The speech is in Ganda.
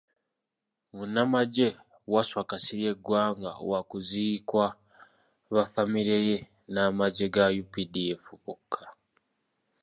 Munnamagye, Wasswa Kasirye Gwanga wakuziikwa ba famire ye n'amagye ga UPDF bokka.